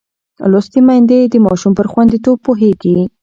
لوستې میندې د ماشوم پر خوندیتوب پوهېږي.